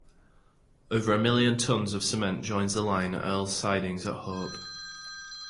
Over a million tons of cement joins the line at Earle's Sidings at Hope.